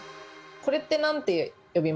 これって何て呼びますか？